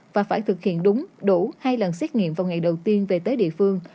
và phải thực hiện đúng đủ hai lần xét nghiệm vào ngày đầu tiên về tới địa phương